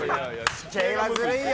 地形はずるいよ。